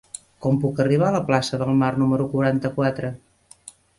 Com puc arribar a la plaça del Mar número quaranta-quatre?